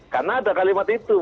karena ada kalimat itu